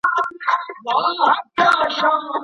قابلې ولي مهمي دي؟